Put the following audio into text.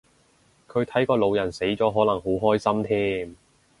佢睇個老人死咗可能好開心添